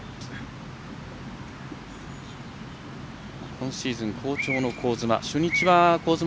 今シーズン、好調の香妻。